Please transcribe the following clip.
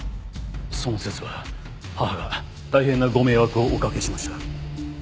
その節は母が大変なご迷惑をおかけしました。